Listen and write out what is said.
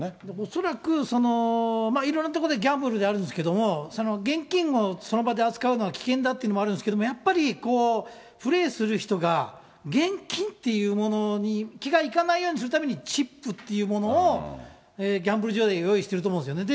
恐らく、いろんなところで、ギャンブルであるんですけど、その現金をその場で扱うのは危険だっていうのもあるんですけど、やっぱりプレーする人が、現金っていうものに気がいかないようにするために、チップっていうものをギャンブル場で用意してると思うんですよね。